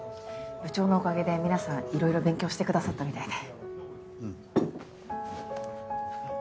部長のおかげで皆さん色々勉強してくださったみたいで。